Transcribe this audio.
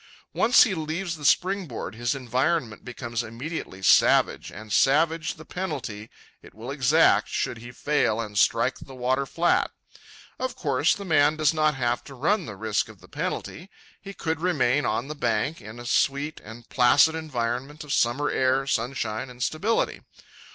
Once he leaves the springboard his environment becomes immediately savage, and savage the penalty it will exact should he fail and strike the water flat. Of course, the man does not have to run the risk of the penalty. He could remain on the bank in a sweet and placid environment of summer air, sunshine, and stability.